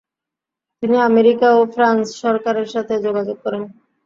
তিনি আমেরিকা ও ফ্রান্স সরকারের সাথে যোগাযোগ করেন।